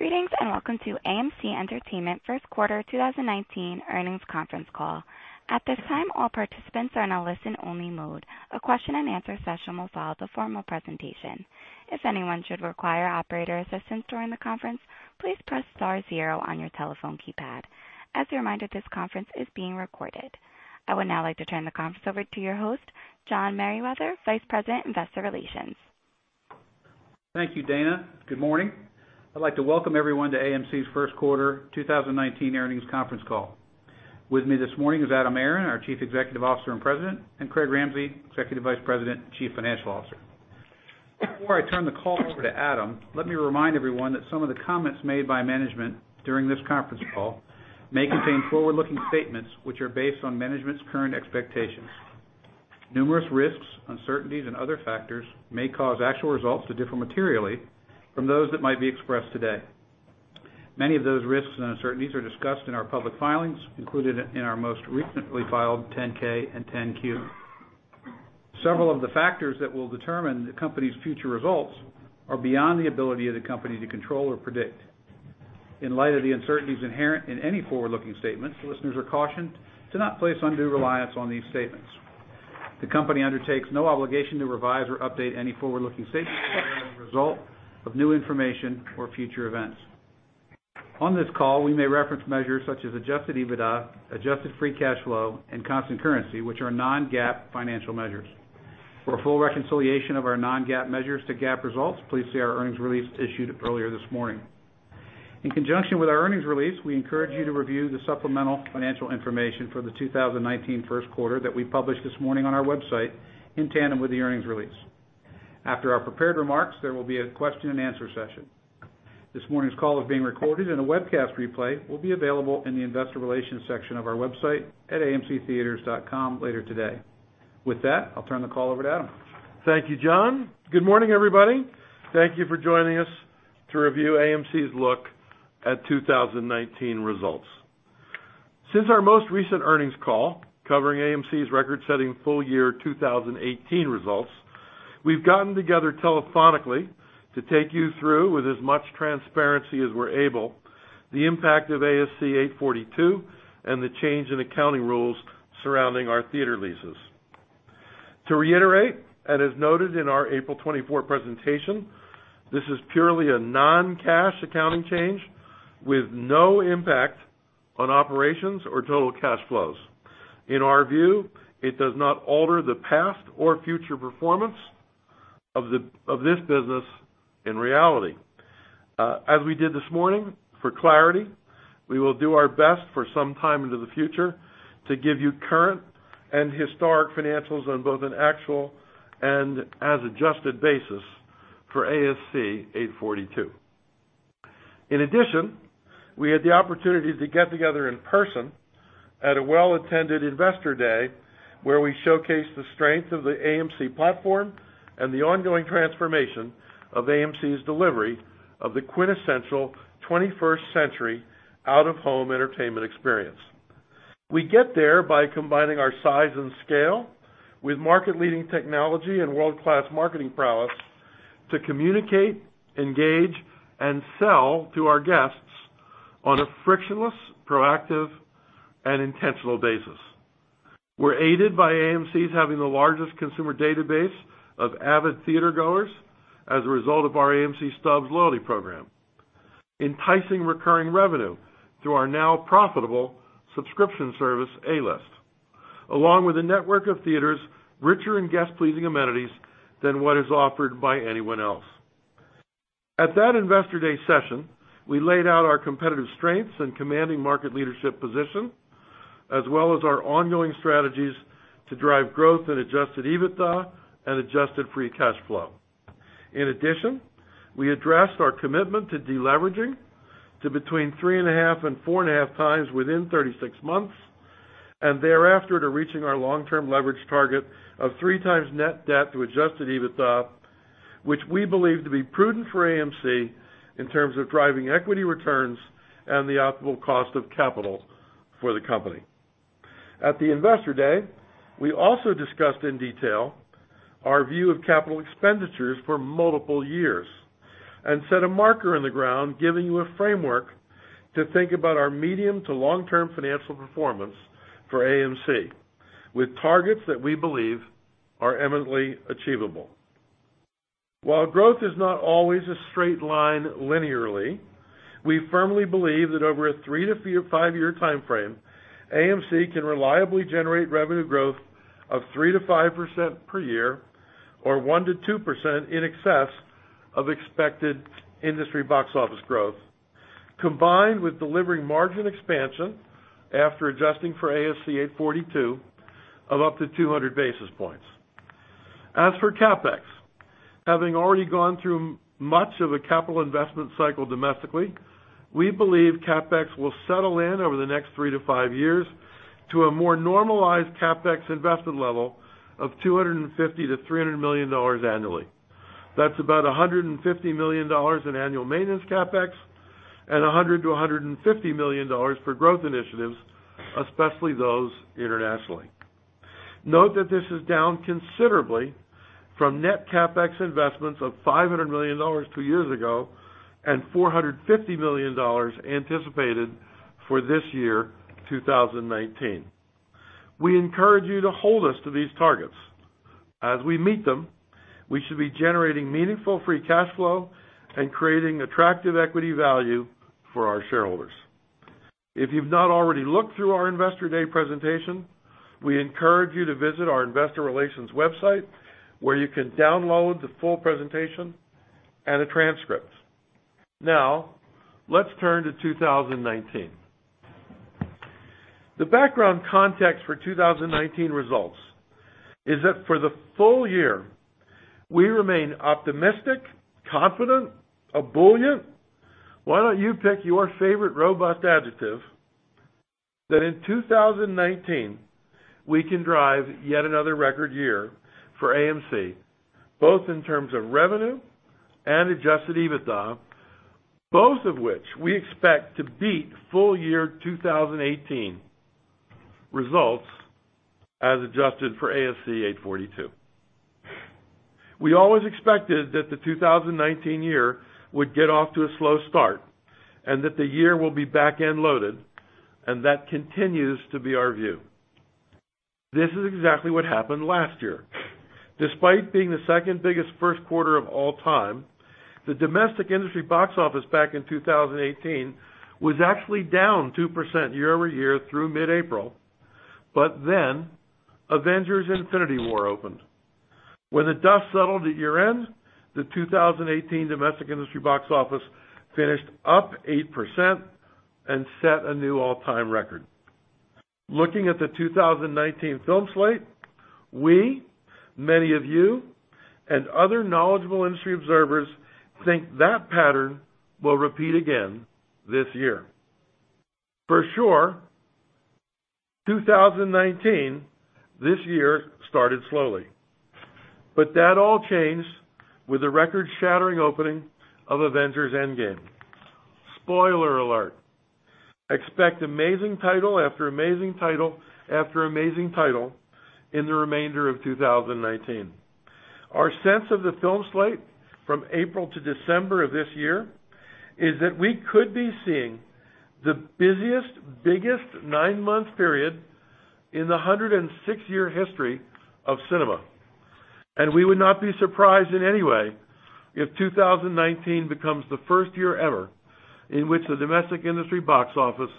Greetings, welcome to AMC Entertainment first quarter 2019 earnings conference call. At this time, all participants are in a listen-only mode. A question and answer session will follow the formal presentation. If anyone should require operator assistance during the conference, please press star zero on your telephone keypad. As a reminder, this conference is being recorded. I would now like to turn the conference over to your host, John Merriwether, Vice President, Investor Relations. Thank you, Dana. Good morning. I'd like to welcome everyone to AMC's first quarter 2019 earnings conference call. With me this morning is Adam Aron, our Chief Executive Officer and President, and Craig Ramsey, Executive Vice President and Chief Financial Officer. Before I turn the call over to Adam, let me remind everyone that some of the comments made by management during this conference call may contain forward-looking statements which are based on management's current expectations. Numerous risks, uncertainties, and other factors may cause actual results to differ materially from those that might be expressed today. Many of those risks and uncertainties are discussed in our public filings, included in our most recently filed 10-K and 10-Q. In light of the uncertainties inherent in any forward-looking statement, listeners are cautioned to not place undue reliance on these statements. The company undertakes no obligation to revise or update any forward-looking statements as a result of new information or future events. On this call, we may reference measures such as adjusted EBITDA, adjusted free cash flow, and constant currency, which are non-GAAP financial measures. For a full reconciliation of our non-GAAP measures to GAAP results, please see our earnings release issued earlier this morning. In conjunction with our earnings release, we encourage you to review the supplemental financial information for the 2019 first quarter that we published this morning on our website in tandem with the earnings release. After our prepared remarks, there will be a question and answer session. This morning's call is being recorded and a webcast replay will be available in the investor relations section of our website at amctheatres.com later today. With that, I'll turn the call over to Adam. Thank you, John. Good morning, everybody. Thank you for joining us to review AMC's look at 2019 results. Since our most recent earnings call covering AMC's record-setting full year 2018 results, we've gotten together telephonically to take you through, with as much transparency as we're able, the impact of ASC 842 and the change in accounting rules surrounding our theater leases. To reiterate, as noted in our April 24 presentation, this is purely a non-cash accounting change with no impact on operations or total cash flows. In our view, it does not alter the past or future performance of this business in reality. As we did this morning, for clarity, we will do our best for some time into the future to give you current and historic financials on both an actual and as-adjusted basis for ASC 842. We had the opportunity to get together in person at a well-attended investor day where we showcased the strength of the AMC platform and the ongoing transformation of AMC's delivery of the quintessential 21st century out-of-home entertainment experience. We get there by combining our size and scale with market-leading technology and world-class marketing prowess to communicate, engage, and sell to our guests on a frictionless, proactive, and intentional basis. We're aided by AMC's having the largest consumer database of avid theatergoers as a result of our AMC Stubs loyalty program, enticing recurring revenue through our now profitable subscription service, A-List, along with a network of theaters richer in guest-pleasing amenities than what is offered by anyone else. At that investor day session, we laid out our competitive strengths and commanding market leadership position, as well as our ongoing strategies to drive growth in adjusted EBITDA and adjusted free cash flow. We addressed our commitment to deleveraging to between 3.5 and 4.5 times within 36 months, and thereafter to reaching our long-term leverage target of three times net debt to adjusted EBITDA, which we believe to be prudent for AMC in terms of driving equity returns and the optimal cost of capital for the company. At the investor day, we also discussed in detail our view of capital expenditures for multiple years and set a marker in the ground giving you a framework to think about our medium to long-term financial performance for AMC, with targets that we believe are eminently achievable. Growth is not always a straight line linearly, we firmly believe that over a 3 to 5-year timeframe, AMC can reliably generate revenue growth of 3%-5% per year or 1%-2% in excess of expected industry box office growth, combined with delivering margin expansion after adjusting for ASC 842 of up to 200 basis points. As for CapEx, having already gone through much of a capital investment cycle domestically, we believe CapEx will settle in over the next 3 to 5 years to a more normalized CapEx investment level of $250 million-$300 million annually. That's about $150 million in annual maintenance CapEx and $100 million-$150 million for growth initiatives, especially those internationally. This is down considerably from net CapEx investments of $500 million two years ago and $450 million anticipated for this year, 2019. We encourage you to hold us to these targets. As we meet them, we should be generating meaningful free cash flow and creating attractive equity value for our shareholders. If you've not already looked through our Investor Day presentation, we encourage you to visit our investor relations website, where you can download the full presentation and a transcript. Let's turn to 2019. The background context for 2019 results is that for the full year, we remain optimistic, confident, ebullient. Why don't you pick your favorite robust adjective? That in 2019, we can drive yet another record year for AMC, both in terms of revenue and adjusted EBITDA, both of which we expect to beat full-year 2018 results as adjusted for ASC 842. We always expected that the 2019 year would get off to a slow start and that the year will be back-end loaded. That continues to be our view. This is exactly what happened last year. Despite being the second-biggest first quarter of all time, the domestic industry box office back in 2018 was actually down 2% year-over-year through mid-April. Avengers: Infinity War opened. When the dust settled at year-end, the 2018 domestic industry box office finished up 8% and set a new all-time record. Looking at the 2019 film slate, we, many of you, and other knowledgeable industry observers think that pattern will repeat again this year. For sure, 2019, this year, started slowly. That all changed with the record-shattering opening of Avengers: Endgame. Spoiler alert. Expect amazing title, after amazing title, after amazing title in the remainder of 2019. Our sense of the film slate from April to December of this year is that we could be seeing the busiest, biggest nine-month period in the 106-year history of cinema. We would not be surprised in any way if 2019 becomes the first year ever in which the domestic industry box office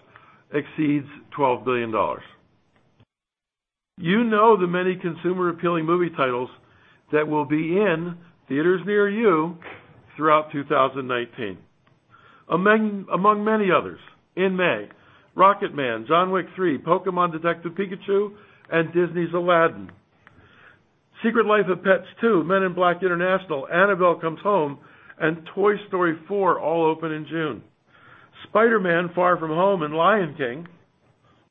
exceeds $12 billion. You know the many consumer-appealing movie titles that will be in theaters near you throughout 2019. Among many others, in May, Rocketman, John Wick 3, Pokémon Detective Pikachu, and Disney's Aladdin. Secret Life of Pets 2, Men in Black: International, Annabelle Comes Home, and Toy Story 4 all open in June. Spider-Man: Far From Home and Lion King,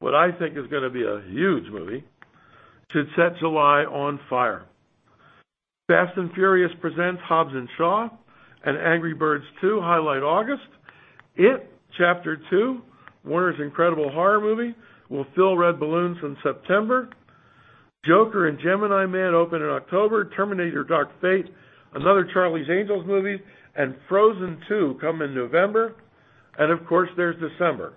what I think is gonna be a huge movie, should set July on fire. Fast & Furious Presents: Hobbs & Shaw and Angry Birds 2 highlight August. It Chapter Two, Warner's incredible horror movie, will fill red balloons in September. Joker and Gemini Man open in October. Terminator: Dark Fate, another Charlie's Angels movie, and Frozen II come in November. Of course, there's December,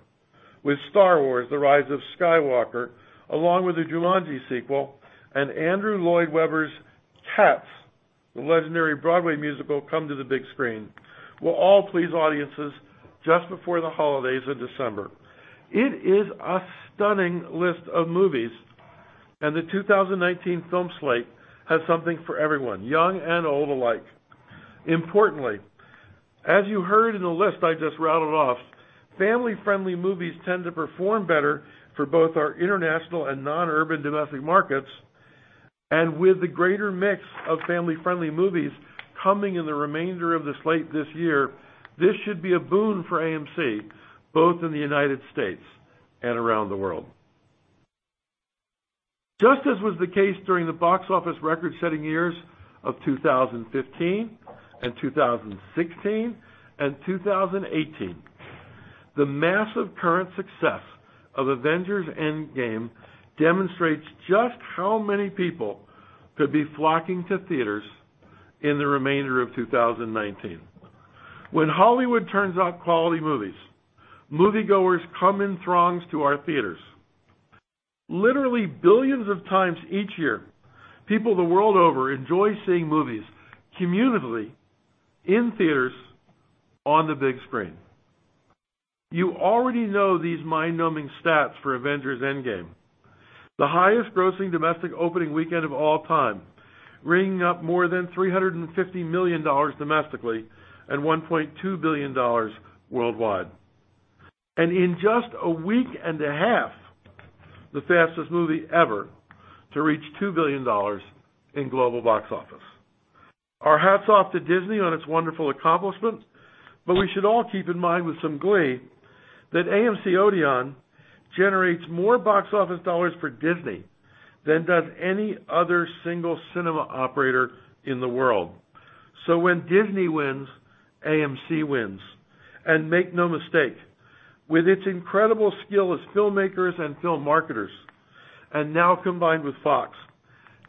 with Star Wars: The Rise of Skywalker, along with a Jumanji sequel and Andrew Lloyd Webber's Cats, the legendary Broadway musical, come to the big screen, will all please audiences just before the holidays in December. It is a stunning list of movies. The 2019 film slate has something for everyone, young and old alike. Importantly, as you heard in the list I just rattled off, family-friendly movies tend to perform better for both our international and non-urban domestic markets. With the greater mix of family-friendly movies coming in the remainder of the slate this year, this should be a boon for AMC, both in the United States and around the world. Just as was the case during the box office record-setting years of 2015, 2016, and 2018, the massive current success of Avengers: Endgame demonstrates just how many people could be flocking to theaters in the remainder of 2019. When Hollywood turns out quality movies, moviegoers come in throngs to our theaters. Literally billions of times each year, people the world over enjoy seeing movies communally in theaters on the big screen. You already know these mind-numbing stats for Avengers: Endgame. The highest-grossing domestic opening weekend of all time, ringing up more than $350 million domestically and $1.2 billion worldwide. In just a week and a half, the fastest movie ever to reach $2 billion in global box office. Our hats off to Disney on its wonderful accomplishment. We should all keep in mind with some glee that AMC Odeon generates more box office dollars for Disney than does any other single cinema operator in the world. When Disney wins, AMC wins. Make no mistake. With its incredible skill as filmmakers and film marketers, and now combined with Fox,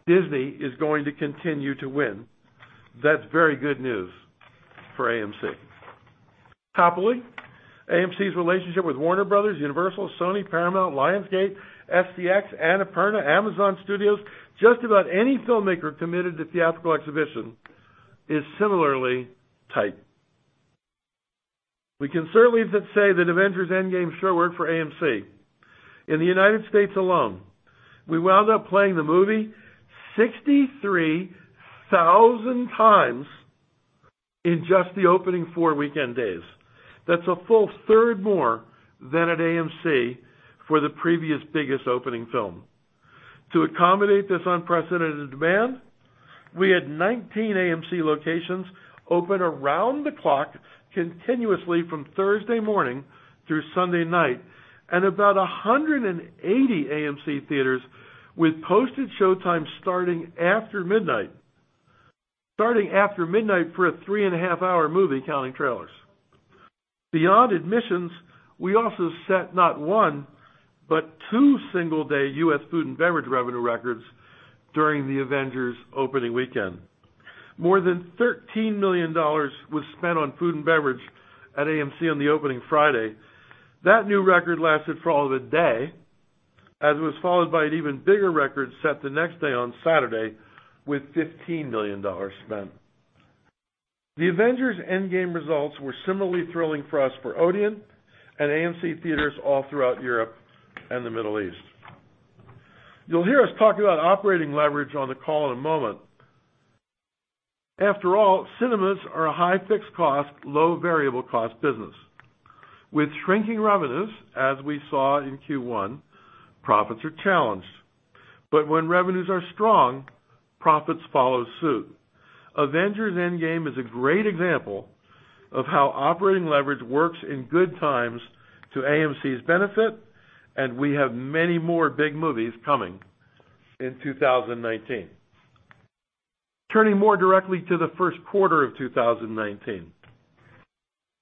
Disney is going to continue to win. That's very good news for AMC. Topically, AMC's relationship with Warner Brothers, Universal, Sony, Paramount, Lionsgate, STX, Annapurna, Amazon Studios, just about any filmmaker committed to theatrical exhibition is similarly tight. We can certainly say that Avengers: Endgame sure worked for AMC. In the United States alone, we wound up playing the movie 63,000 times in just the opening four weekend days. That's a full third more than at AMC for the previous biggest opening film. To accommodate this unprecedented demand, we had 19 AMC locations open around the clock continuously from Thursday morning through Sunday night. About 180 AMC theaters with posted showtime starting after midnight for a three-and-a-half-hour movie, counting trailers. Beyond admissions, we also set not one, but two single-day U.S. food and beverage revenue records during the Avengers opening weekend. More than $13 million was spent on food and beverage at AMC on the opening Friday. That new record lasted for all of a day, as it was followed by an even bigger record set the next day on Saturday with $15 million spent. The Avengers: Endgame results were similarly thrilling for us for Odeon and AMC theaters all throughout Europe and the Middle East. You'll hear us talk about operating leverage on the call in a moment. After all, cinemas are a high fixed cost, low variable cost business. With shrinking revenues, as we saw in Q1, profits are challenged. When revenues are strong, profits follow suit. Avengers: Endgame is a great example of how operating leverage works in good times to AMC's benefit. We have many more big movies coming in 2019. Turning more directly to the first quarter of 2019.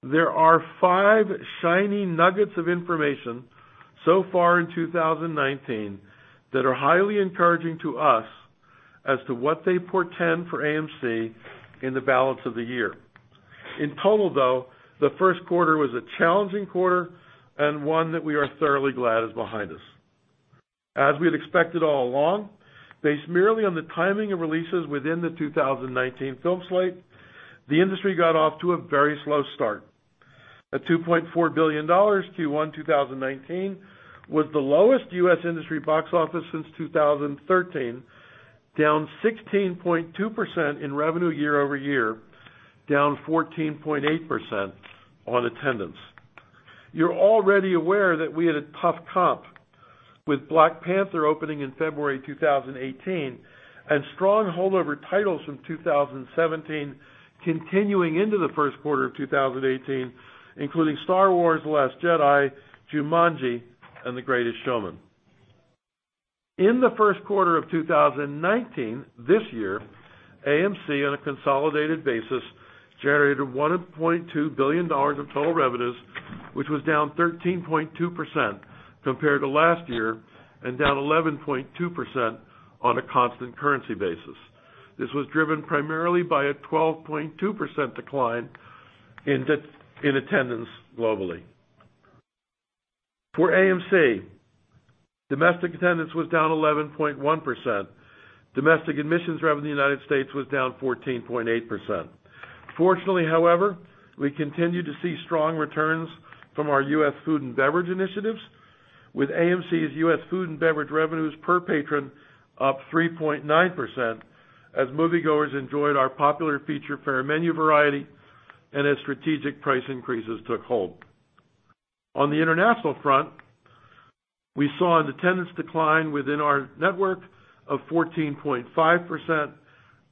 There are five shiny nuggets of information so far in 2019 that are highly encouraging to us as to what they portend for AMC in the balance of the year. In total, though, the first quarter was a challenging quarter and one that we are thoroughly glad is behind us. As we had expected all along, based merely on the timing of releases within the 2019 film slate, the industry got off to a very slow start. At $2.4 billion, Q1 2019 was the lowest U.S. industry box office since 2013, down 16.2% in revenue year-over-year, down 14.8% on attendance. You're already aware that we had a tough comp with Black Panther opening in February 2018 and strong holdover titles from 2017 continuing into the first quarter of 2018, including Star Wars: The Last Jedi, Jumanji, and The Greatest Showman. In the first quarter of 2019, this year, AMC, on a consolidated basis, generated $1.2 billion of total revenues, which was down 13.2% compared to last year and down 11.2% on a constant currency basis. This was driven primarily by a 12.2% decline in attendance globally. For AMC, domestic attendance was down 11.1%. Domestic admissions revenue in the United States was down 14.8%. Fortunately, however, we continued to see strong returns from our U.S. food and beverage initiatives with AMC's U.S. food and beverage revenues per patron up 3.9% as moviegoers enjoyed our popular Feature Fare menu variety and as strategic price increases took hold. On the international front, we saw an attendance decline within our network of 14.5%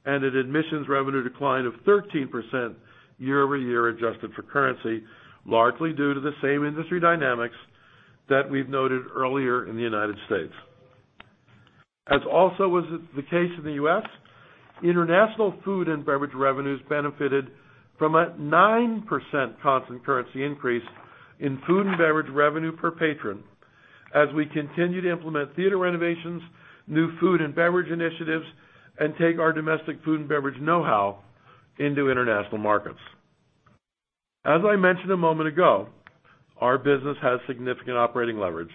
and an admissions revenue decline of 13% year-over-year adjusted for currency, largely due to the same industry dynamics that we've noted earlier in the United States. As also was the case in the U.S., international food and beverage revenues benefited from a 9% constant currency increase in food and beverage revenue per patron as we continue to implement theater renovations, new food and beverage initiatives, and take our domestic food and beverage know-how into international markets. As I mentioned a moment ago, our business has significant operating leverage,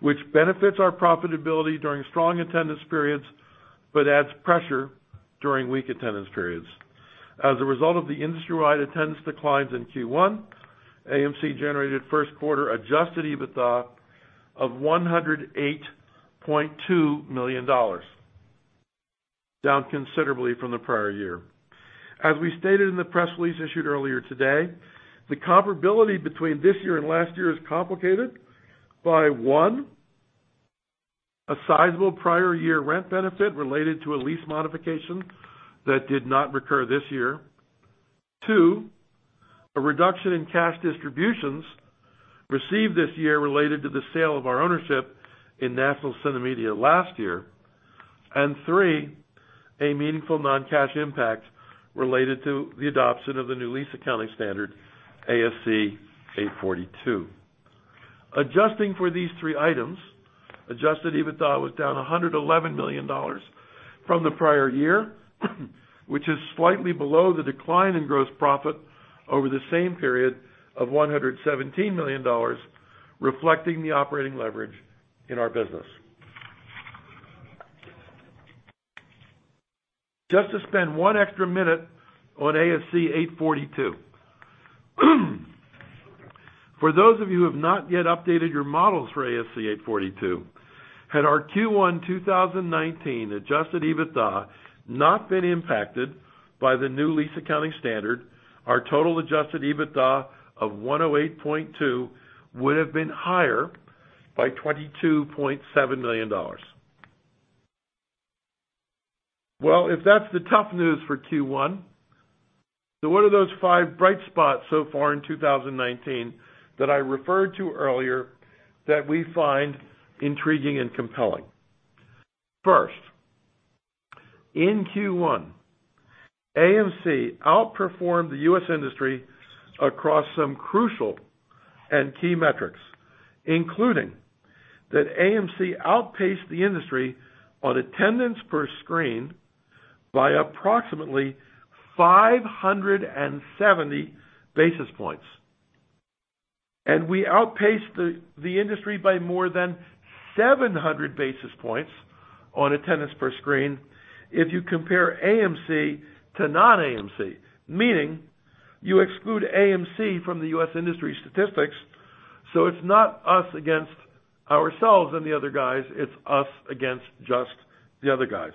which benefits our profitability during strong attendance periods, but adds pressure during weak attendance periods. As a result of the industry-wide attendance declines in Q1, AMC generated first quarter adjusted EBITDA of $108.2 million, down considerably from the prior year. As we stated in the press release issued earlier today, the comparability between this year and last year is complicated by, one, a sizable prior year rent benefit related to a lease modification that did not recur this year. Two, a reduction in cash distributions received this year related to the sale of our ownership in National CineMedia last year. Three, a meaningful non-cash impact related to the adoption of the new lease accounting standard, ASC 842. Adjusting for these three items, adjusted EBITDA was down $111 million from the prior year, which is slightly below the decline in gross profit over the same period of $117 million, reflecting the operating leverage in our business. Just to spend one extra minute on ASC 842. For those of you who have not yet updated your models for ASC 842, had our Q1 2019 adjusted EBITDA not been impacted by the new lease accounting standard, our total adjusted EBITDA of $108.2 would have been higher by $22.7 million. If that's the tough news for Q1, what are those five bright spots so far in 2019 that I referred to earlier that we find intriguing and compelling? First, in Q1, AMC outperformed the U.S. industry across some crucial and key metrics, including that AMC outpaced the industry on attendance per screen by approximately 570 basis points. We outpaced the industry by more than 700 basis points on attendance per screen if you compare AMC to non-AMC, meaning you exclude AMC from the U.S. industry statistics, so it's not us against ourselves and the other guys, it's us against just the other guys.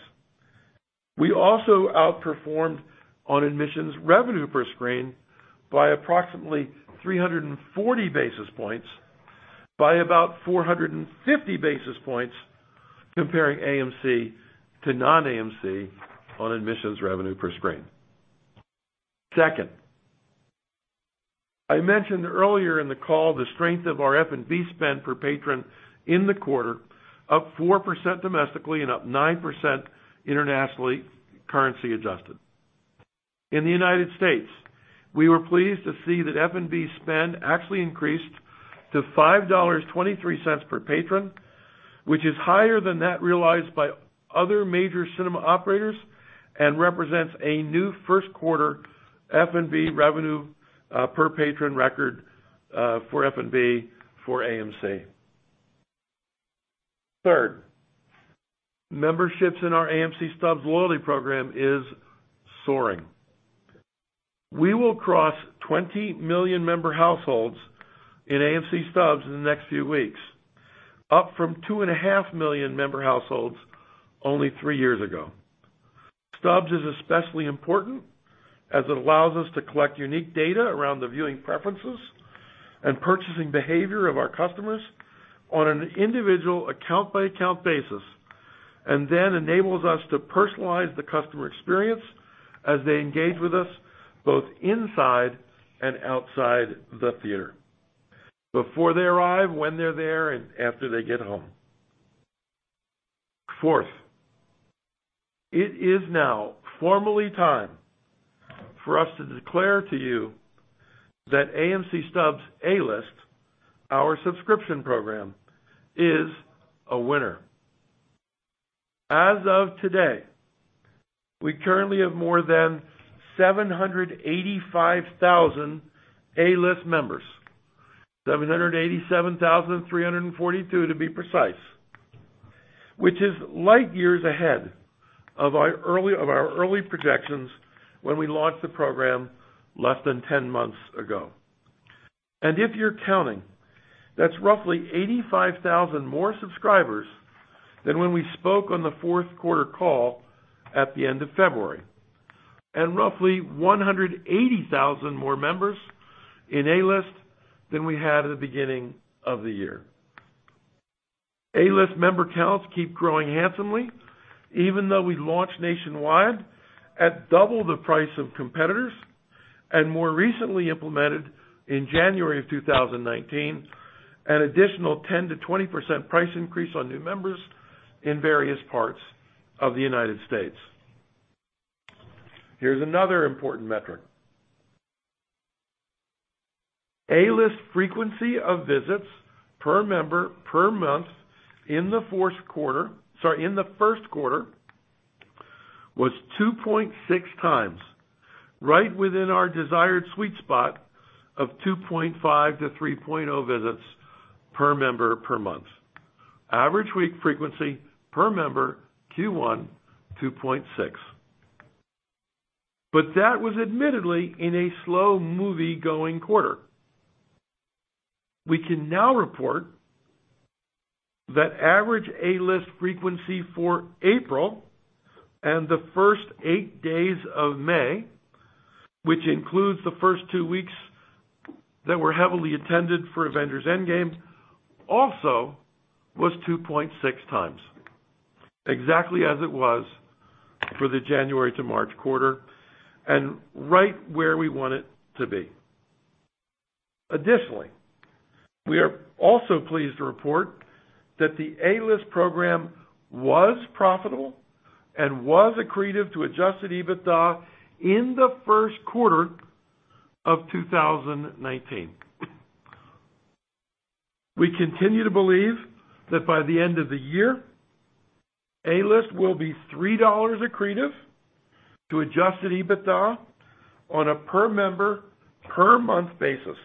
We also outperformed on admissions revenue per screen by approximately 340 basis points, by about 450 basis points comparing AMC to non-AMC on admissions revenue per screen. Second, I mentioned earlier in the call the strength of our F&B spend per patron in the quarter, up 4% domestically and up 9% internationally, currency adjusted. In the United States, we were pleased to see that F&B spend actually increased to $5.23 per patron, which is higher than that realized by other major cinema operators and represents a new first quarter F&B revenue per patron record for F&B for AMC. Third, memberships in our AMC Stubs loyalty program is soaring. We will cross 20 million member households in AMC Stubs in the next few weeks, up from two and a half million member households only three years ago. Stubs is especially important as it allows us to collect unique data around the viewing preferences and purchasing behavior of our customers on an individual account-by-account basis, and then enables us to personalize the customer experience as they engage with us both inside and outside the theater, before they arrive, when they're there, and after they get home. Fourth, it is now formally time for us to declare to you that AMC Stubs A-List, our subscription program, is a winner. As of today, we currently have more than 785,000 A-List members, 787,342 to be precise, which is light years ahead of our early projections when we launched the program less than 10 months ago. If you're counting, that's roughly 85,000 more subscribers than when we spoke on the fourth quarter call at the end of February. Roughly 180,000 more members in A-List than we had at the beginning of the year. A-List member counts keep growing handsomely, even though we launched nationwide at double the price of competitors, and more recently implemented in January of 2019, an additional 10%-20% price increase on new members in various parts of the United States. Here's another important metric. A-List frequency of visits per member, per month in the first quarter was 2.6 times, right within our desired sweet spot of 2.5-3.0 visits per member per month. Average week frequency per member Q1, 2.6. That was admittedly in a slow movie-going quarter. We can now report that average A-List frequency for April and the first eight days of May, which includes the first two weeks that were heavily attended for Avengers: Endgame, also was 2.6 times, exactly as it was for the January to March quarter and right where we want it to be. We are also pleased to report that the A-List program was profitable and was accretive to adjusted EBITDA in the first quarter of 2019. We continue to believe that by the end of the year, A-List will be $3 accretive to adjusted EBITDA on a per member, per month basis.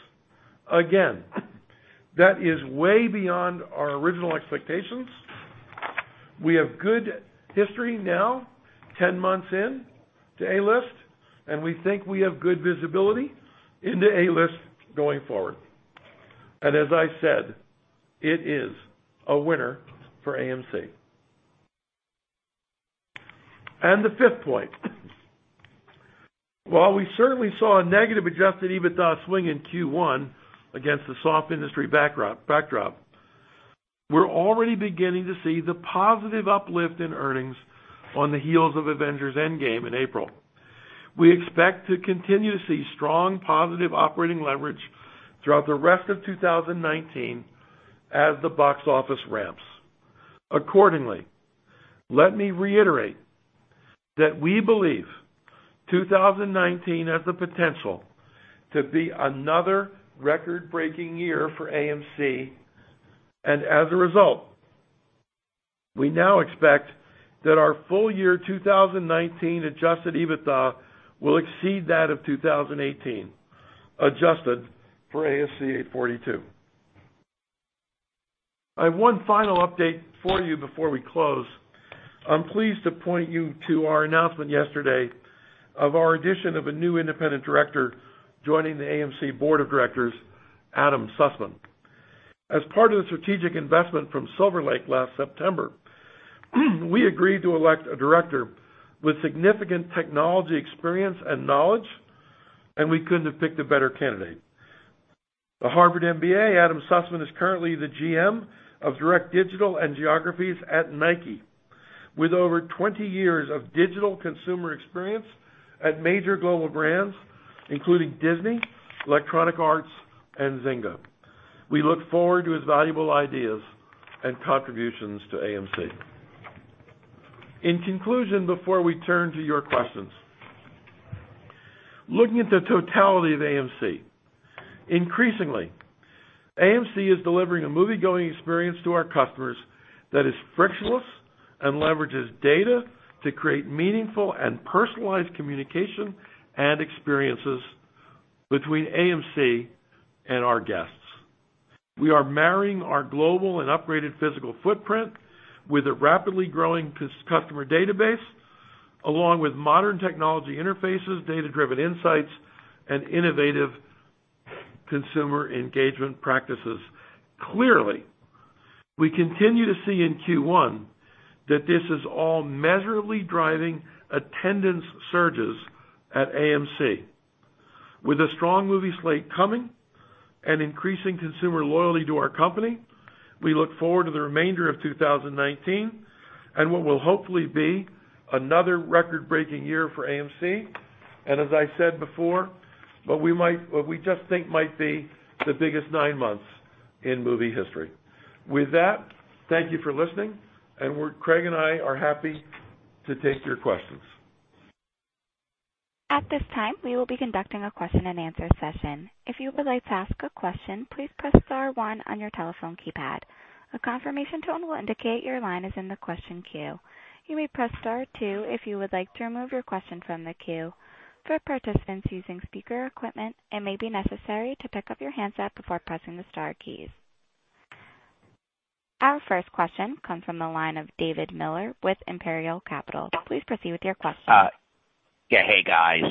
That is way beyond our original expectations. We have good history now, 10 months in to A-List, and we think we have good visibility into A-List going forward. As I said, it is a winner for AMC. The fifth point. While we certainly saw a negative adjusted EBITDA swing in Q1 against the soft industry backdrop, we're already beginning to see the positive uplift in earnings on the heels of Avengers: Endgame in April. We expect to continue to see strong positive operating leverage throughout the rest of 2019 as the box office ramps. Accordingly, let me reiterate that we believe 2019 has the potential to be another record-breaking year for AMC, and as a result, we now expect that our full year 2019 adjusted EBITDA will exceed that of 2018, adjusted for ASC 842. I have one final update for you before we close. I'm pleased to point you to our announcement yesterday of our addition of a new Independent Director joining the AMC Board of Directors, Adam Sussman. As part of the strategic investment from Silver Lake last September, we agreed to elect a director with significant technology experience and knowledge. We couldn't have picked a better candidate. A Harvard MBA, Adam Sussman is currently the GM of Direct Digital and Geographies at Nike, with over 20 years of digital consumer experience at major global brands, including Disney, Electronic Arts, and Zynga. We look forward to his valuable ideas and contributions to AMC. In conclusion, before we turn to your questions, looking at the totality of AMC, increasingly, AMC is delivering a movie-going experience to our customers that is frictionless and leverages data to create meaningful and personalized communication and experiences between AMC and our guests. We are marrying our global and upgraded physical footprint with a rapidly growing customer database, along with modern technology interfaces, data-driven insights, and innovative consumer engagement practices. Clearly, we continue to see in Q1 that this is all measurably driving attendance surges at AMC. With a strong movie slate coming and increasing consumer loyalty to our company, we look forward to the remainder of 2019 and what will hopefully be another record-breaking year for AMC. As I said before, what we just think might be the biggest nine months in movie history. With that, thank you for listening. Craig and I are happy to take your questions. At this time, we will be conducting a question and answer session. If you would like to ask a question, please press star one on your telephone keypad. A confirmation tone will indicate your line is in the question queue. You may press star two if you would like to remove your question from the queue. For participants using speaker equipment, it may be necessary to pick up your handset before pressing the star keys. Our first question comes from the line of David Miller with Imperial Capital. Please proceed with your question. Yeah. Hey, guys.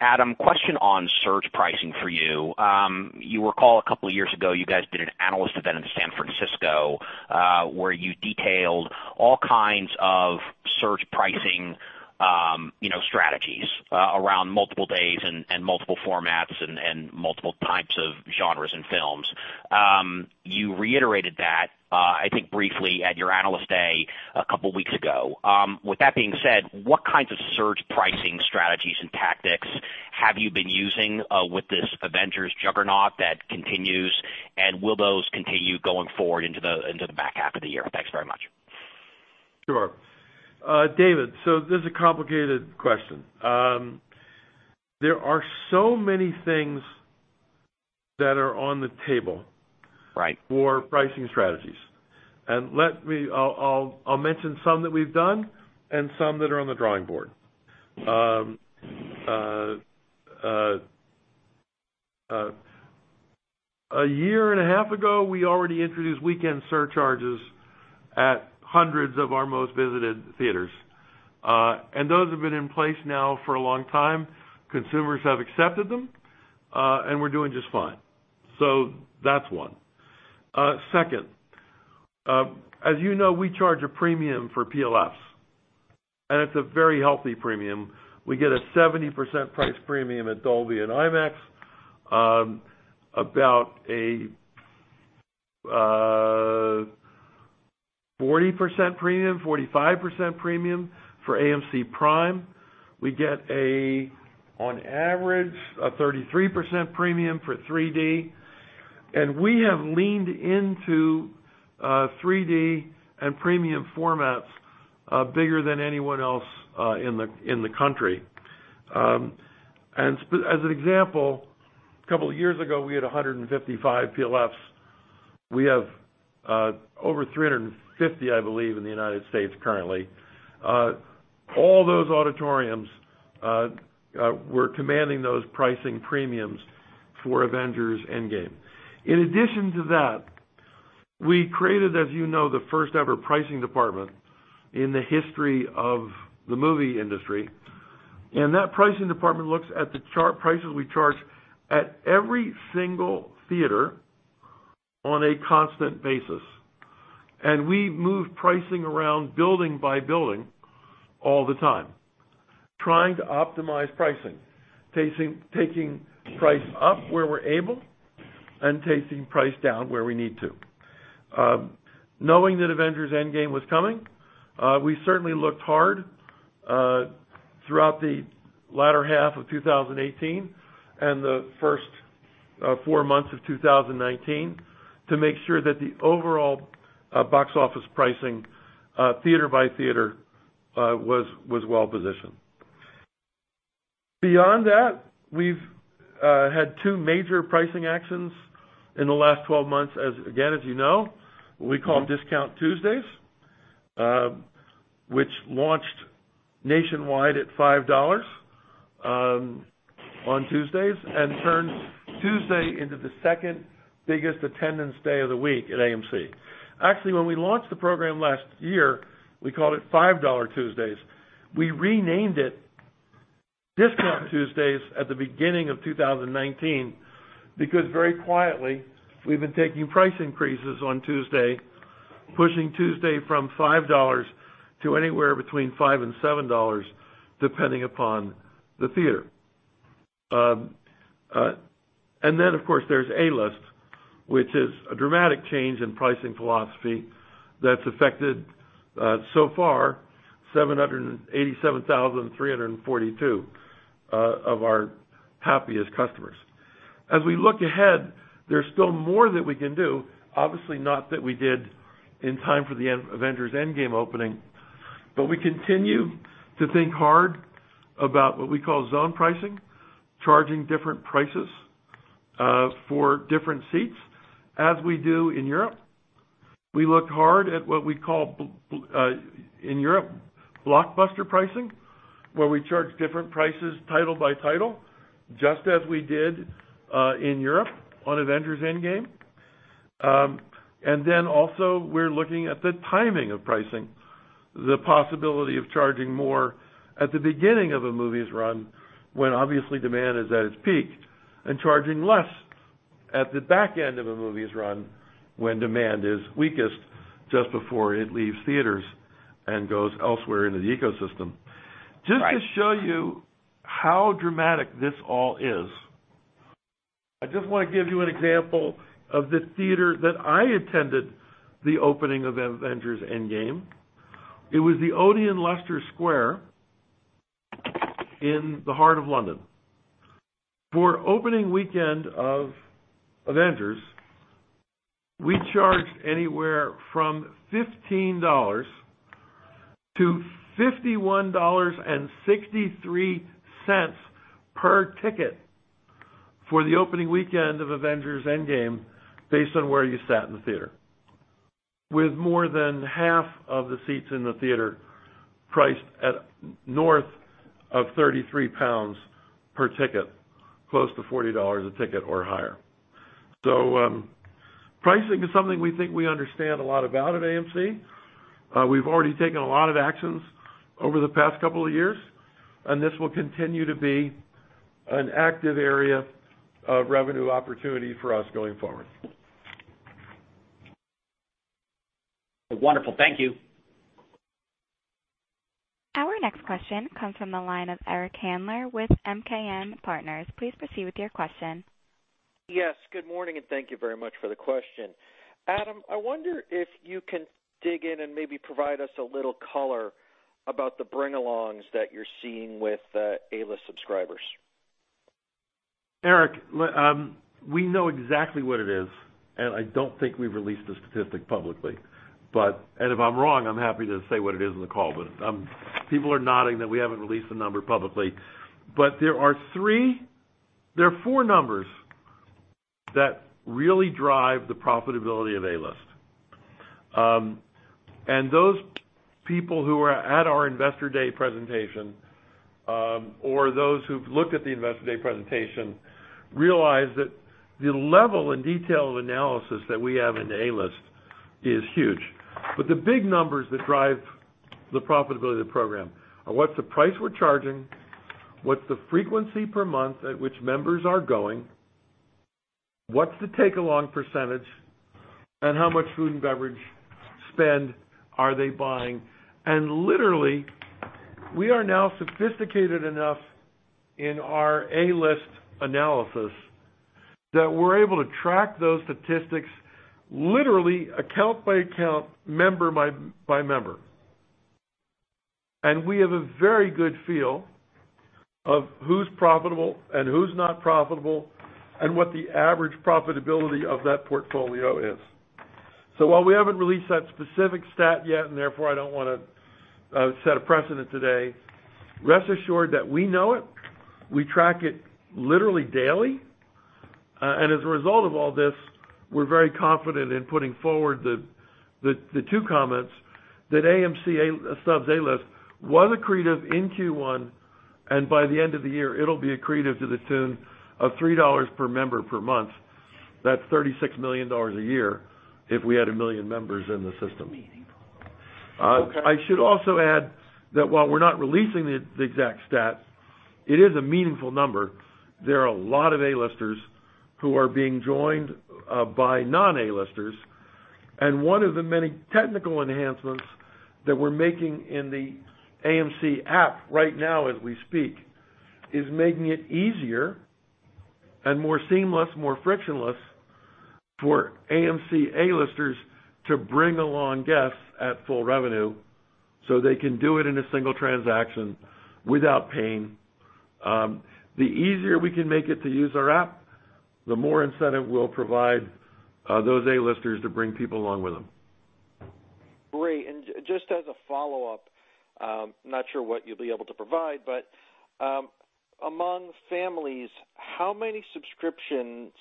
Adam, question on surge pricing for you. You recall a couple years ago, you guys did an analyst event in San Francisco where you detailed all kinds of surge pricing strategies around multiple days and multiple formats and multiple types of genres and films. You reiterated that, I think briefly, at your Analyst Day a couple weeks ago. With that being said, what kinds of surge pricing strategies and tactics have you been using with this Avengers juggernaut that continues, and will those continue going forward into the back half of the year? Thanks very much. Sure. David, this is a complicated question. There are so many things that are on the table- Right for pricing strategies. I'll mention some that we've done and some that are on the drawing board. A year and a half ago, we already introduced weekend surcharges at hundreds of our most visited theaters. Those have been in place now for a long time. Consumers have accepted them, and we're doing just fine. That's one. Second, as you know, we charge a premium for PLFs, and it's a very healthy premium. We get a 70% price premium at Dolby and IMAX, about a 40% premium, 45% premium for AMC Prime. We get, on average, a 33% premium for 3D, and we have leaned into 3D and premium formats bigger than anyone else in the country. As an example, a couple of years ago, we had 155 PLFs. We have over 350, I believe, in the U.S. currently. All those auditoriums were commanding those pricing premiums for Avengers: Endgame. In addition to that, we created, as you know, the first-ever pricing department in the history of the movie industry. That pricing department looks at the prices we charge at every single theater on a constant basis. We move pricing around building by building all the time, trying to optimize pricing, taking price up where we're able and taking price down where we need to. Knowing that Avengers: Endgame was coming, we certainly looked hard throughout the latter half of 2018 and the first four months of 2019 to make sure that the overall box office pricing, theater by theater, was well-positioned. Beyond that, we've had two major pricing actions in the last 12 months, again, as you know. We call them Discount Tuesdays, which launched nationwide at $5 on Tuesdays and turned Tuesday into the second-biggest attendance day of the week at AMC. Actually, when we launched the program last year, we called it $5 Tuesdays. We renamed it Discount Tuesdays at the beginning of 2019 because very quietly, we've been taking price increases on Tuesday, pushing Tuesday from $5 to anywhere between $5 and $7, depending upon the theater. Of course, there's A-List, which is a dramatic change in pricing philosophy that's affected, so far, 787,342 of our happiest customers. As we look ahead, there's still more that we can do, obviously not that we did in time for the Avengers: Endgame opening. We continue to think hard about what we call zone pricing, charging different prices for different seats, as we do in Europe. We look hard at what we call, in Europe, blockbuster pricing, where we charge different prices title by title, just as we did in Europe on Avengers: Endgame. Also, we're looking at the timing of pricing, the possibility of charging more at the beginning of a movie's run when obviously demand is at its peak, and charging less at the back end of a movie's run when demand is weakest, just before it leaves theaters and goes elsewhere into the ecosystem. Right. Just to show you how dramatic this all is, I just want to give you an example of the theater that I attended the opening of Avengers: Endgame. It was the Odeon Leicester Square in the heart of London. For opening weekend of Avengers, we charged anywhere from $15 to $51.63 per ticket for the opening weekend of Avengers: Endgame, based on where you sat in the theater, with more than half of the seats in the theater priced at north of 33 pounds per ticket, close to $40 a ticket or higher. Pricing is something we think we understand a lot about at AMC. We've already taken a lot of actions over the past couple of years, and this will continue to be an active area of revenue opportunity for us going forward. Wonderful. Thank you. Our next question comes from the line of Eric Handler with MKM Partners. Please proceed with your question. Yes, good morning, thank you very much for the question. Adam, I wonder if you can dig in and maybe provide us a little color about the bring-alongs that you're seeing with A-List subscribers. Eric, we know exactly what it is. I don't think we've released a statistic publicly. If I'm wrong, I'm happy to say what it is on the call. People are nodding that we haven't released a number publicly. There are four numbers that really drive the profitability of A-List. Those people who were at our Investor Day presentation, or those who've looked at the Investor Day presentation, realize that the level and detail of analysis that we have into A-List is huge. The big numbers that drive the profitability of the program are: what's the price we're charging, what's the frequency per month at which members are going, what's the take-along percentage, and how much food and beverage spend are they buying? Literally, we are now sophisticated enough in our A-List analysis that we're able to track those statistics, literally account by account, member by member. We have a very good feel of who's profitable and who's not profitable, and what the average profitability of that portfolio is. While we haven't released that specific stat yet, therefore, I don't want to set a precedent today, rest assured that we know it. We track it literally daily. As a result of all this, we're very confident in putting forward the two comments that AMC Stubs A-List was accretive in Q1, by the end of the year, it'll be accretive to the tune of $3 per member per month. That's $36 million a year, if we had 1 million members in the system. Okay. I should also add that while we're not releasing the exact stat, it is a meaningful number. There are a lot of A-Listers who are being joined by non-A-Listers. One of the many technical enhancements that we're making in the AMC app right now as we speak is making it easier and more seamless, more frictionless for AMC A-Listers to bring along guests at full revenue, so they can do it in a single transaction without paying. The easier we can make it to use our app, the more incentive we'll provide those A-Listers to bring people along with them. Great. Just as a follow-up, not sure what you'll be able to provide, but among families, how many subscriptions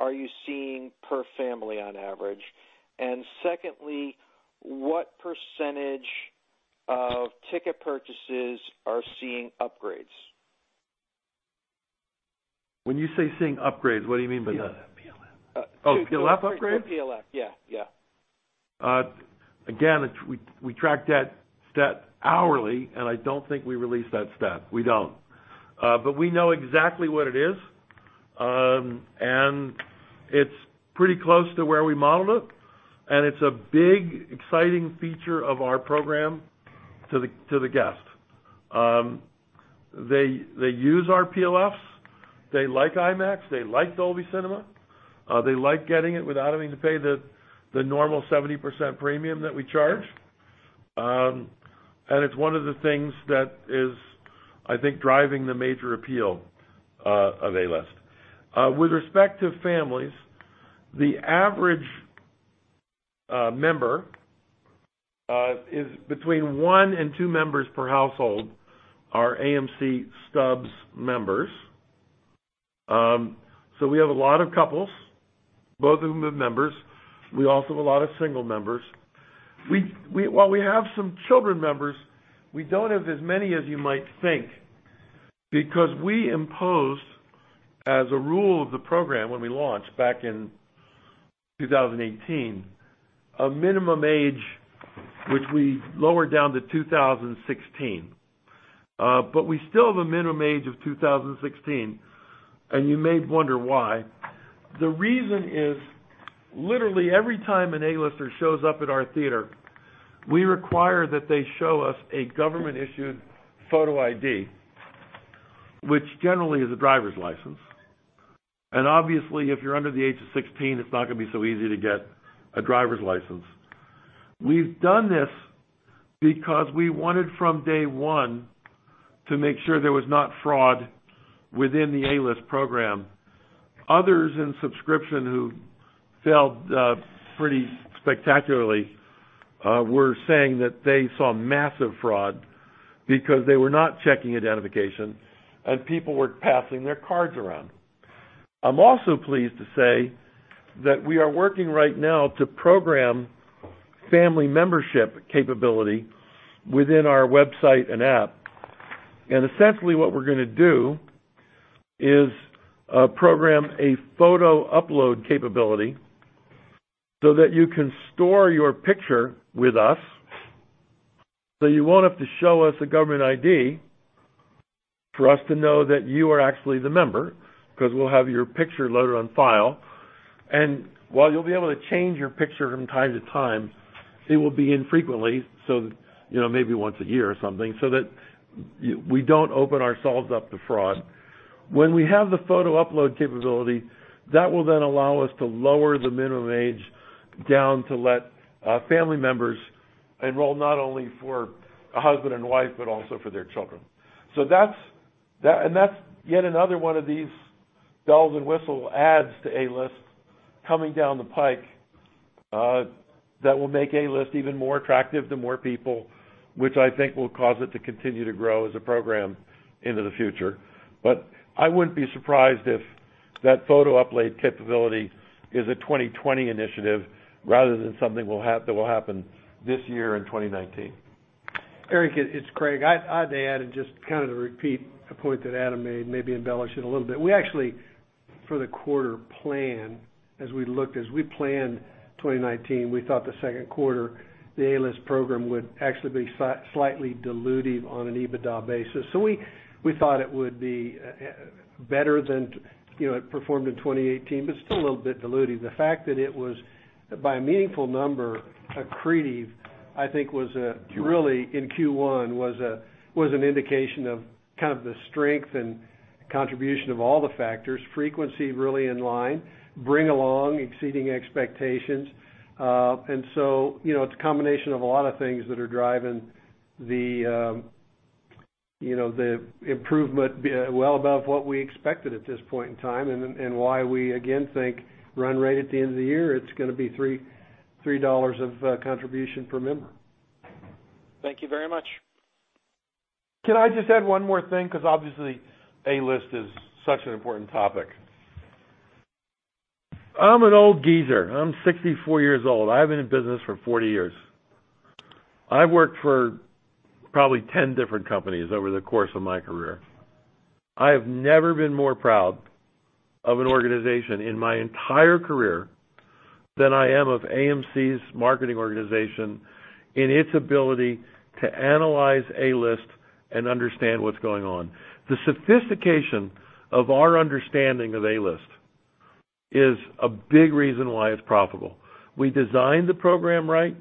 are you seeing per family on average? Secondly, what % of ticket purchases are seeing upgrades? When you say seeing upgrades, what do you mean by that? PLFs. Oh, PLF upgrades? Through PLF. Yeah. We track that stat hourly, and I don't think we release that stat. We don't. We know exactly what it is. It's pretty close to where we modeled it, and it's a big, exciting feature of our program to the guest. They use our PLFs. They like IMAX. They like Dolby Cinema. They like getting it without having to pay the normal 70% premium that we charge. It's one of the things that is, I think, driving the major appeal of A-List. With respect to families, the average member is between one and two members per household are AMC Stubs members. We have a lot of couples, both of whom are members. We also have a lot of single members. While we have some children members, we don't have as many as you might think because we imposed as a rule of the program when we launched back in 2018, a minimum age, which we lowered down to 2016. We still have a minimum age of 2016, and you may wonder why. The reason is literally every time an A-lister shows up at our theater, we require that they show us a government-issued photo ID, which generally is a driver's license. Obviously, if you're under the age of 16, it's not going to be so easy to get a driver's license. We've done this because we wanted from day one to make sure there was not fraud within the A-List program. Others in subscription who failed pretty spectacularly were saying that they saw massive fraud because they were not checking identification and people were passing their cards around. I'm also pleased to say that we are working right now to program family membership capability within our website and app. Essentially what we're going to do is program a photo upload capability so that you can store your picture with us, so you won't have to show us a government ID for us to know that you are actually the member because we'll have your picture loaded on file. While you'll be able to change your picture from time to time, it will be infrequently, maybe once a year or something, so that we don't open ourselves up to fraud. When we have the photo upload capability, that will then allow us to lower the minimum age down to let family members enroll not only for a husband and wife, but also for their children. That's yet another one of these bells and whistle adds to A-List coming down the pike that will make A-List even more attractive to more people, which I think will cause it to continue to grow as a program into the future. I wouldn't be surprised if that photo upload capability is a 2020 initiative rather than something that will happen this year in 2019. Eric, it's Craig. I'd add and just kind of repeat a point that Adam made, maybe embellish it a little bit. We actually, for the quarter plan, as we planned 2019, we thought the second quarter, the A-List program would actually be slightly dilutive on an EBITDA basis. We thought it would be better than it performed in 2018, but still a little bit dilutive. The fact that it was by a meaningful number accretive, I think in Q1 was an indication of kind of the strength and contribution of all the factors. Frequency really in line, bring along exceeding expectations. It's a combination of a lot of things that are driving the improvement well above what we expected at this point in time and why we again think run rate at the end of the year, it's going to be $3 of contribution per member. Thank you very much. Can I just add one more thing? Obviously, A-List is such an important topic. I'm an old geezer. I'm 64 years old. I've been in business for 40 years. I've worked for probably 10 different companies over the course of my career. I have never been more proud of an organization in my entire career than I am of AMC's marketing organization in its ability to analyze A-List and understand what's going on. The sophistication of our understanding of A-List is a big reason why it's profitable. We designed the program right.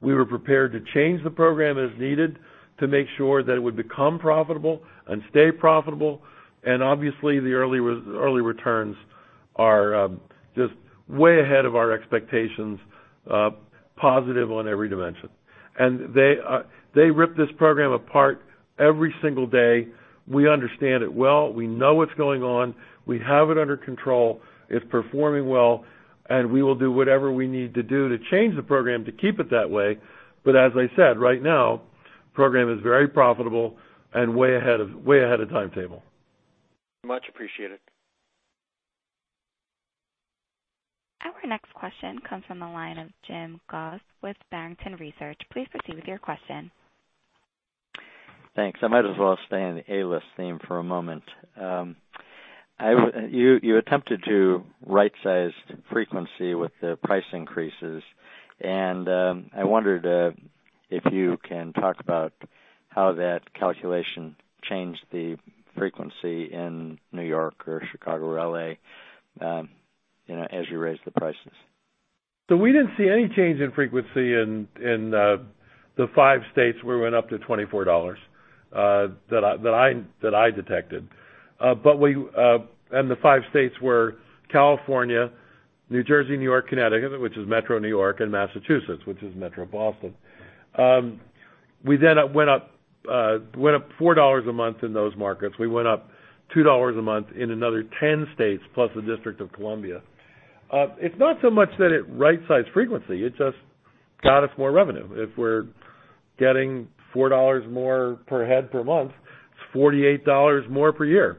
We were prepared to change the program as needed to make sure that it would become profitable and stay profitable. Obviously, the early returns are just way ahead of our expectations, positive on every dimension. They rip this program apart every single day. We understand it well. We know what's going on. We have it under control. It's performing well. We will do whatever we need to do to change the program to keep it that way. As I said, right now, the program is very profitable and way ahead of timetable. Much appreciated. Our next question comes from the line of Jim Goss with Barrington Research. Please proceed with your question. Thanks. I might as well stay in the A-List theme for a moment. You attempted to right-size frequency with the price increases. I wondered if you can talk about how that calculation changed the frequency in New York or Chicago or L.A. as you raised the prices. We didn't see any change in frequency in the five states we went up to $24, that I detected. The five states were California, New Jersey, New York, Connecticut, which is metro New York, and Massachusetts, which is metro Boston. Then we went up $4 a month in those markets. We went up $2 a month in another 10 states plus the District of Columbia. It's not so much that it right-sized frequency. It just got us more revenue. If we're getting $4 more per head per month, it's $48 more per year.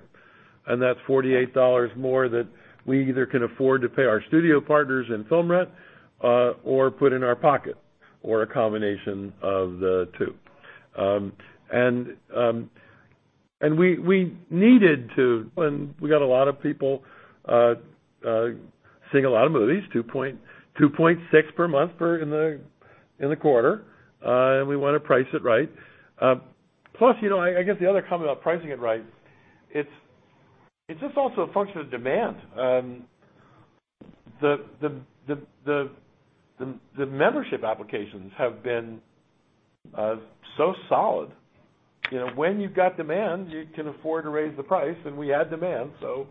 That's $48 more that we either can afford to pay our studio partners in film rent or put in our pocket, or a combination of the two. We needed to when we got a lot of people seeing a lot of movies, 2.6 per month in the quarter. We want to price it right. I guess the other comment about pricing it right, it's just also a function of demand. The membership applications have been so solid. When you've got demand, you can afford to raise the price. We had demand, so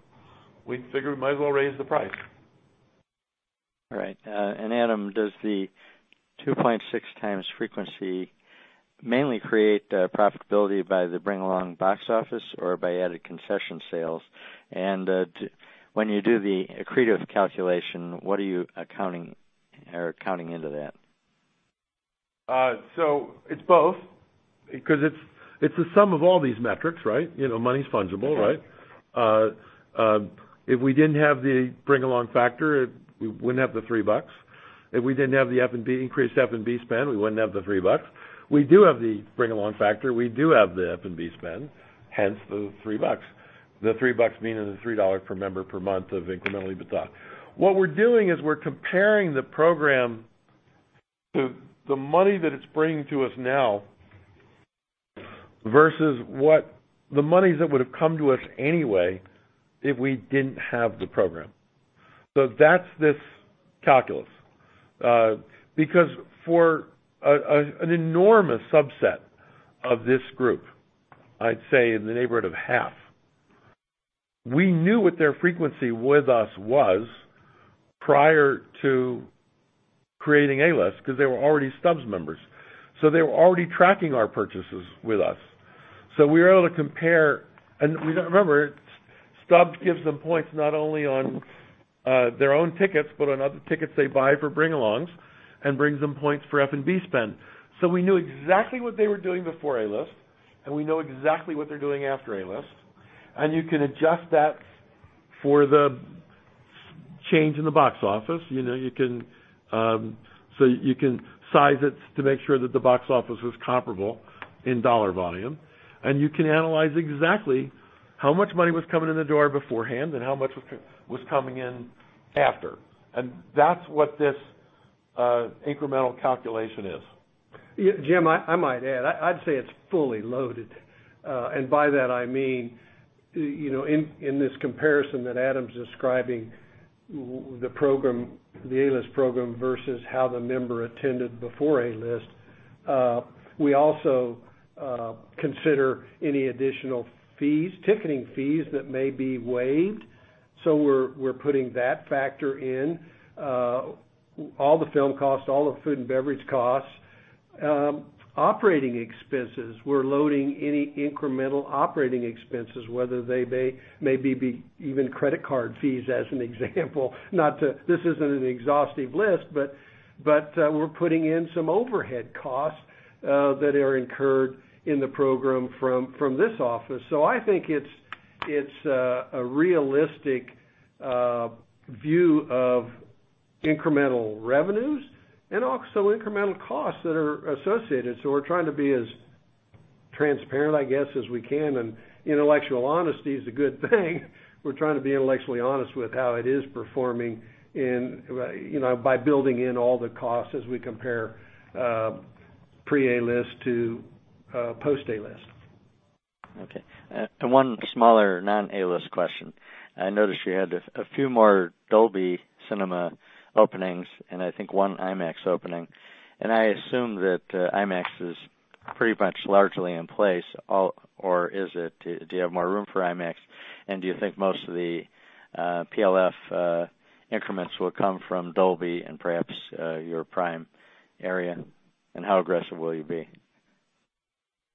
we figured we might as well raise the price. All right. Adam, does the 2.6 times frequency mainly create profitability by the bring along box office or by added concession sales? When you do the accretive calculation, what are you accounting into that? It's both because it's the sum of all these metrics. Money's fungible. If we didn't have the bring along factor, we wouldn't have the $3. If we didn't have the increased F&B spend, we wouldn't have the $3. We do have the bring along factor. We do have the F&B spend, hence the $3. The $3 meaning the $3 per member per month of incremental EBITDA. What we're doing is we're comparing the program to the money that it's bringing to us now versus the monies that would have come to us anyway if we didn't have the program. That's this calculus. Because for an enormous subset of this group, I'd say in the neighborhood of half, we knew what their frequency with us was prior to creating A-List because they were already Stubs members. They were already tracking our purchases with us. We were able to compare. Remember, AMC Stubs gives them points not only on their own tickets but on other tickets they buy for bring alongs and brings them points for F&B spend. We knew exactly what they were doing before AMC Stubs A-List, and we know exactly what they're doing after AMC Stubs A-List. You can adjust that for the change in the box office. You can size it to make sure that the box office was comparable in dollar volume. You can analyze exactly how much money was coming in the door beforehand and how much was coming in after. That's what this incremental calculation is. Jim, I might add. I'd say it's fully loaded. By that I mean in this comparison that Adam's describing, the AMC Stubs A-List program versus how the member attended before AMC Stubs A-List. We also consider any additional ticketing fees that may be waived We're putting that factor in. All the film costs, all the food and beverage costs. Operating expenses, we're loading any incremental operating expenses, whether they may be even credit card fees, as an example. This isn't an exhaustive list, but we're putting in some overhead costs that are incurred in the program from this office. I think it's a realistic view of incremental revenues and also incremental costs that are associated. We're trying to be as transparent, I guess, as we can, and intellectual honesty is a good thing. We're trying to be intellectually honest with how it is performing by building in all the costs as we compare pre-AMC Stubs A-List to post-AMC Stubs A-List. Okay. One smaller non-AMC Stubs A-List question. I noticed you had a few more Dolby Cinema openings and I think one IMAX opening. I assume that IMAX is pretty much largely in place, or is it? Do you have more room for IMAX? Do you think most of the PLF increments will come from Dolby and perhaps your PRIME at AMC area? How aggressive will you be?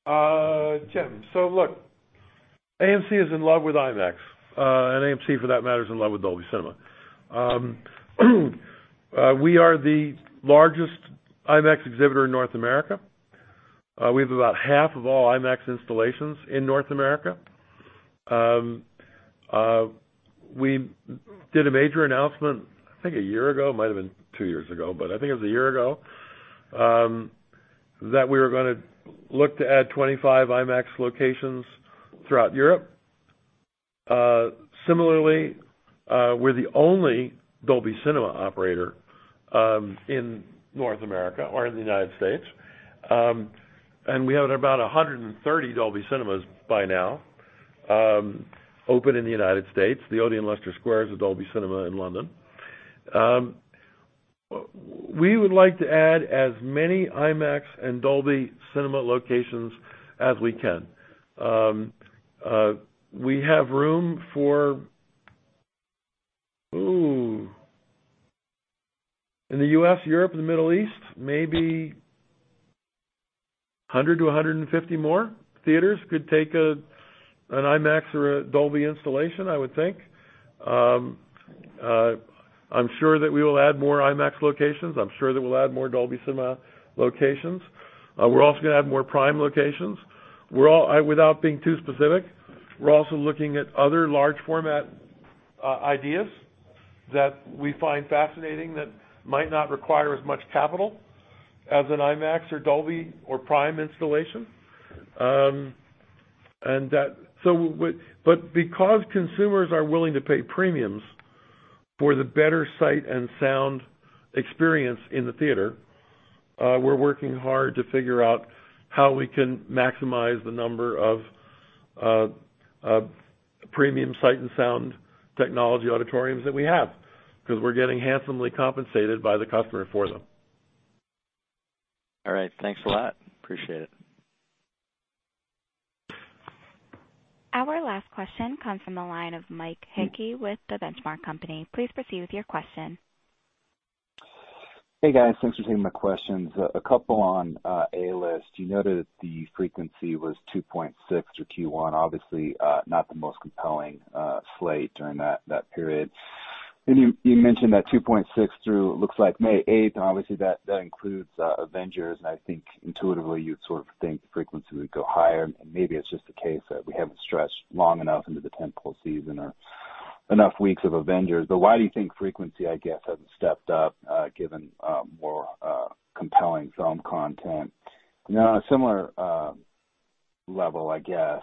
Jim, look, AMC is in love with IMAX. AMC, for that matter, is in love with Dolby Cinema. We are the largest IMAX exhibitor in North America. We have about half of all IMAX installations in North America. We did a major announcement, I think a year ago, might have been two years ago, but I think it was a year ago, that we were going to look to add 25 IMAX locations throughout Europe. Similarly, we're the only Dolby Cinema operator in North America, or in the United States. We have about 130 Dolby Cinemas by now open in the United States. The Odeon Leicester Square is a Dolby Cinema in London. We would like to add as many IMAX and Dolby Cinema locations as we can. We have room for, in the U.S., Europe, and the Middle East, maybe 100-150 more theaters could take an IMAX or a Dolby installation, I would think. I'm sure that we will add more IMAX locations. I'm sure that we'll add more Dolby Cinema locations. We're also going to add more PRIME locations. Without being too specific, we're also looking at other large format ideas that we find fascinating that might not require as much capital as an IMAX or Dolby or PRIME installation. Because consumers are willing to pay premiums for the better sight and sound experience in the theater, we're working hard to figure out how we can maximize the number of premium sight and sound technology auditoriums that we have, because we're getting handsomely compensated by the customer for them. All right. Thanks a lot. Appreciate it. Our last question comes from the line of Mike Hickey with The Benchmark Company. Please proceed with your question. Hey, guys. Thanks for taking my questions. A couple on AMC Stubs A-List. You noted the frequency was 2.6 through Q1, obviously, not the most compelling slate during that period. You mentioned that 2.6 through, looks like May 8th, and obviously that includes "Avengers", and I think intuitively you'd sort of think frequency would go higher, and maybe it's just the case that we haven't stretched long enough into the tent pole season or enough weeks of "Avengers". Why do you think frequency, I guess, hasn't stepped up, given more compelling film content? On a similar level, I guess,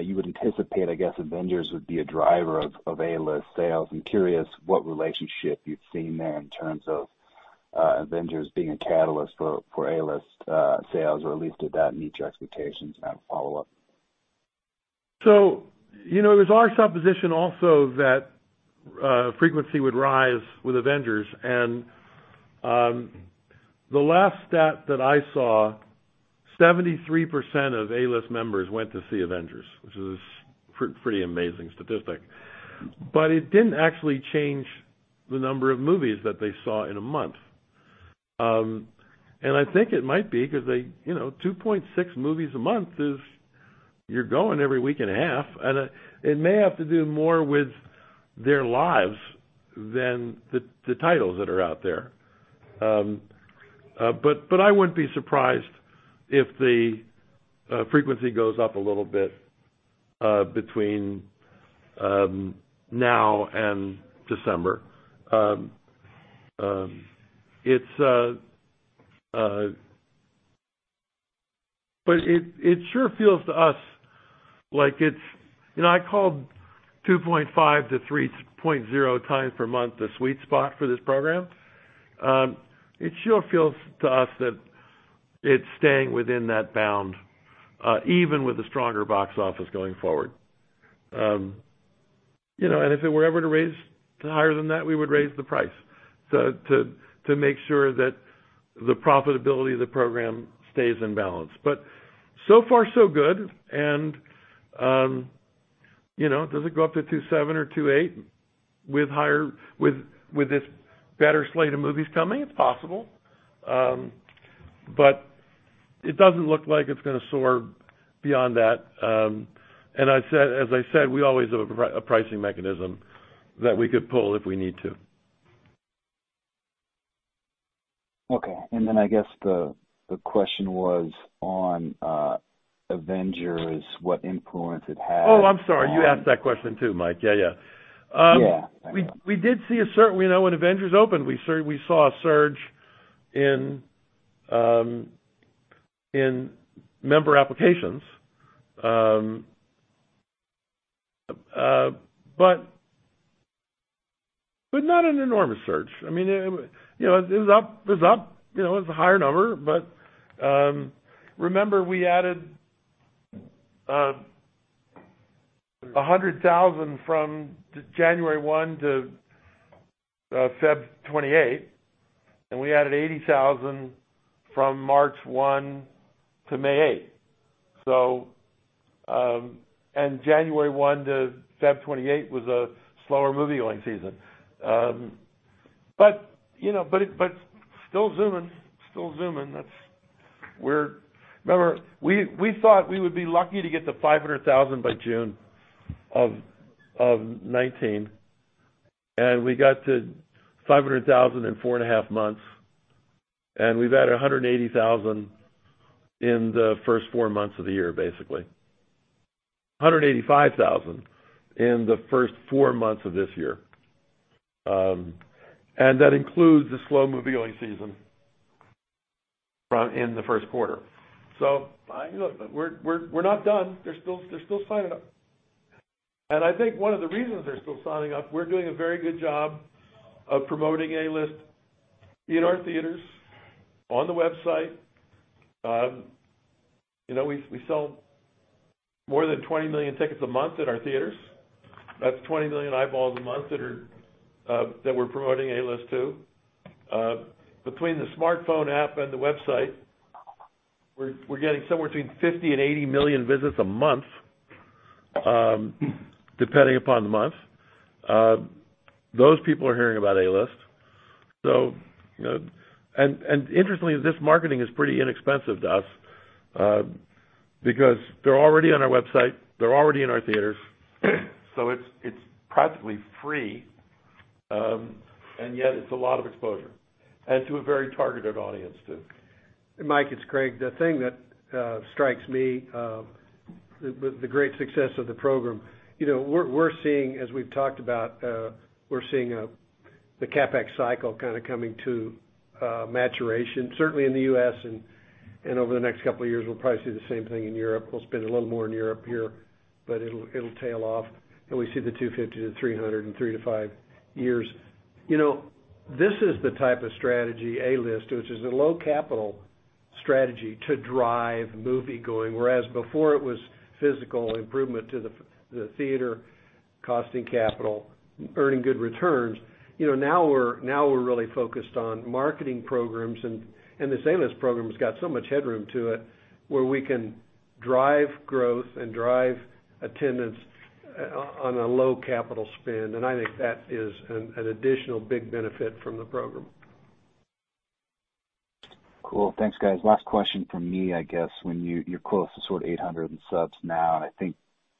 you would anticipate, I guess, "Avengers" would be a driver of AMC Stubs A-List sales. I'm curious what relationship you've seen there in terms of "Avengers" being a catalyst for AMC Stubs A-List sales, or at least did that meet your expectations? I have a follow-up. It was our supposition also that frequency would rise with "Avengers". The last stat that I saw, 73% of AMC Stubs A-List members went to see "Avengers", which is a pretty amazing statistic. It didn't actually change the number of movies that they saw in a month. I think it might be because 2.6 movies a month is you're going every week and a half. It may have to do more with their lives than the titles that are out there. I wouldn't be surprised if the frequency goes up a little bit between now and December. It sure feels to us like I called 2.5 to 3.0 times per month the sweet spot for this program. It sure feels to us that it's staying within that bound, even with a stronger box office going forward. If it were ever to raise higher than that, we would raise the price to make sure that the profitability of the program stays in balance. So far so good. Does it go up to 2.7 or 2.8 with this better slate of movies coming? It's possible. It doesn't look like it's going to soar beyond that. As I said, we always have a pricing mechanism that we could pull if we need to. Okay. I guess the question was on "Avengers", what influence it had. I'm sorry, you asked that question too, Mike. Yeah. Yeah. I know. When Avengers opened, we saw a surge in member applications. Not an enormous surge. It was up. It's a higher number. Remember, we added 100,000 from January 1 to February 28, we added 80,000 from March 1 to May 8th. January 1 to February 28 was a slower movie-going season. Still zooming. Remember, we thought we would be lucky to get to 500,000 by June of 2019, we got to 500,000 in four and a half months. We've added 180,000 in the first four months of the year, basically. 185,000 in the first four months of this year. That includes the slow movie-going season in the first quarter. We're not done. They're still signing up. I think one of the reasons they're still signing up, we're doing a very good job of promoting A-List in our theaters, on the website. We sell more than 20 million tickets a month at our theaters. That's 20 million eyeballs a month that we're promoting A-List to. Between the smartphone app and the website, we're getting somewhere between 50 million and 80 million visits a month, depending upon the month. Those people are hearing about A-List. Interestingly, this marketing is pretty inexpensive to us because they're already on our website, they're already in our theaters, so it's practically free. Yet it's a lot of exposure. To a very targeted audience, too. Mike, it's Craig. The thing that strikes me with the great success of the program, we're seeing, as we've talked about, the CapEx cycle kind of coming to maturation, certainly in the U.S., and over the next couple of years, we'll probably see the same thing in Europe. We'll spend a little more in Europe here, but it'll tail off, and we see the 250 to 300 in three to five years. This is the type of strategy, A-List, which is a low-capital strategy to drive moviegoing. Whereas before it was physical improvement to the theater, costing capital, earning good returns. Now we're really focused on marketing programs and this A-List program has got so much headroom to it where we can drive growth and drive attendance on a low capital spend. I think that is an additional big benefit from the program. Cool. Thanks, guys. Last question from me, I guess. You're close to sort of 800 in subs now, I think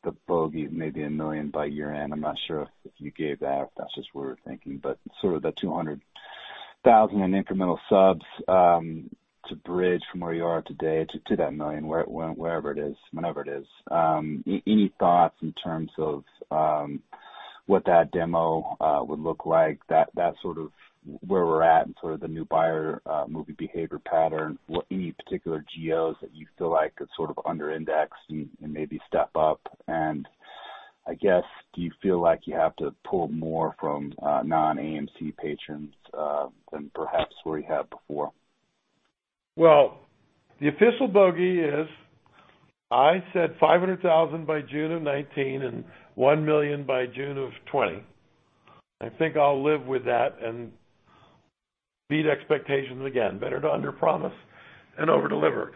the bogey may be 1 million by year-end. I'm not sure if you gave that, or if that's just what we're thinking. Sort of the 200,000 in incremental subs to bridge from where you are today to that 1 million, wherever it is, whenever it is. Any thoughts in terms of what that demo would look like, that sort of where we're at and sort of the new buyer movie behavior pattern? Any particular geos that you feel like got sort of under indexed and maybe step up, I guess, do you feel like you have to pull more from non-AMC patrons than perhaps what you had before? Well, the official bogey is I said 500,000 by June of 2019 and 1 million by June of 2020. I think I'll live with that and beat expectations again. Better to underpromise and overdeliver.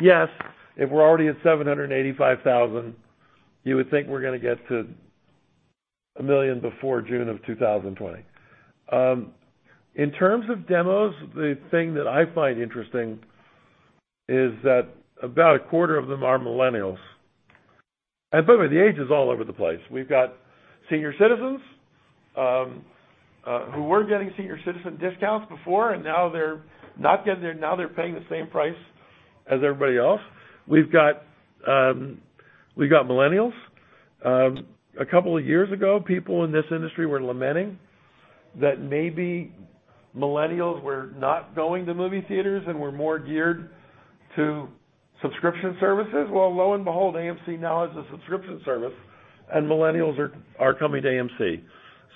Yes, if we're already at 785,000, you would think we're going to get to 1 million before June of 2020. In terms of demos, the thing that I find interesting is that about a quarter of them are millennials. By the way, the age is all over the place. We've got senior citizens who were getting senior citizen discounts before, and now they're paying the same price as everybody else. We've got millennials. A couple of years ago, people in this industry were lamenting that maybe millennials were not going to movie theaters and were more geared to subscription services. Well, lo and behold, AMC now has a subscription service and millennials are coming to AMC.